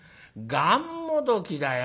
がんもどきだよ」。